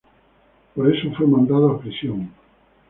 Por eso fue mandado a prisión.